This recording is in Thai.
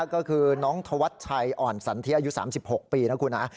ก็คือน้องธวัชชัยอ่อนสันเทียอายุ๓๖ปีนะคุณฮะ